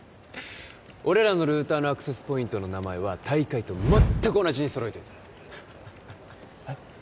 俺らのルーターのアクセスポイントの名前は大会と全く同じに揃えといたハハハえっ？